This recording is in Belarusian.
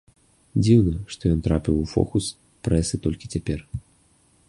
Дзіўна, што ён трапіў у фокус прэсы толькі цяпер.